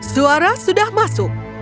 suara sudah masuk